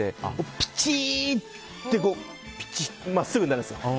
ピチーって真っすぐになるんですよ。